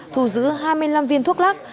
thu giữ hai mươi năm viên thước lắc